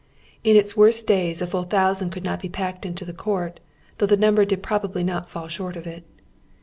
In its worst days a full tiiousand coufd not be packed into the court, though the nnmber did probably not fall far short of it.